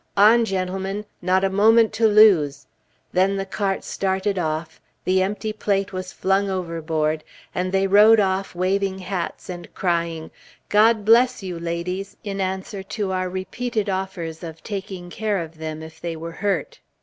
"On, gentlemen! not a moment to lose!" Then the cart started off, the empty plate was flung overboard, and they rode off waving hats and crying, "God bless you, ladies!" in answer to our repeated offers of taking care of them if they were hurt.